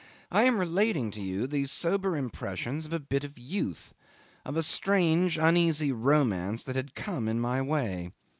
I am relating to you the sober impressions of a bit of youth, of a strange uneasy romance that had come in my way.